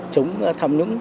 chống tham nhũng